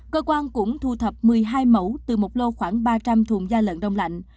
cơ quan cũng thu thập một mươi hai mẫu từ một lô khoảng ba trăm linh thùng gia lận đông lạnh